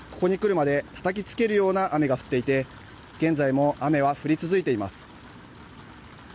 ここに来るまでたたきつけるような雨が降っていて現在も雨は降り続いています。